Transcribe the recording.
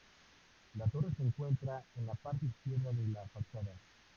La torre se encuentra en la parte izquierda de la fachada.